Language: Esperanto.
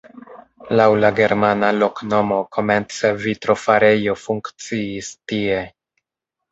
Laŭ la germana loknomo komence vitrofarejo funkciis tie.